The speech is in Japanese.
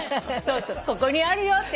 ここにあるよって。